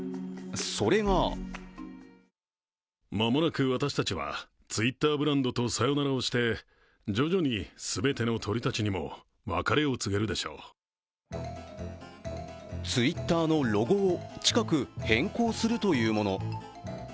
それがＴｗｉｔｔｅｒのロゴを近く変更するというもの。